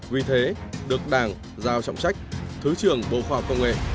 vì thế được đảng giao trọng trách thứ trưởng bộ khoa học công nghệ